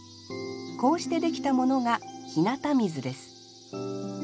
こうしてできたものが日向水です